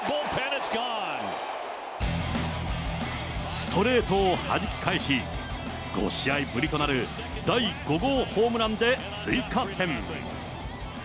ストレートをはじき返し、５試合ぶりとなる第５号ホームランで追加点。